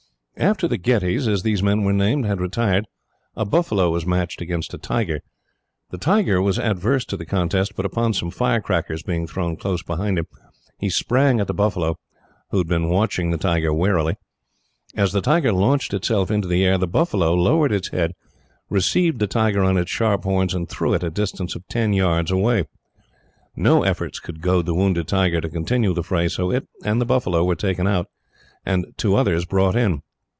After the ghetties, as these men were named, had retired, a buffalo was matched against a tiger. The latter was averse to the contest, but upon some firecrackers being thrown close behind him, he sprang at the buffalo, who had been watching him warily. As the tiger launched itself into the air, the buffalo lowered its head, received it on its sharp horns, and threw it a distance of ten yards away. No efforts could goad the wounded tiger to continue the fray, so it and the buffalo were taken out, and two others brought in.